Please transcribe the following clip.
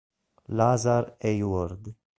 Lazar Hayward